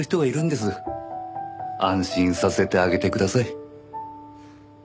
安心させてあげてください。